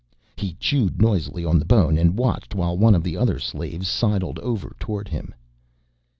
He chewed noisily on the bone and watched while one of the other slaves sidled over towards him.